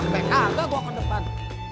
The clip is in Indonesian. ampe kagak gue ke depan